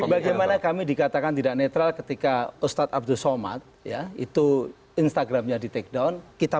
bagaimana kami dikatakan tidak netral ketika ustadz abdul somad instagramnya di take down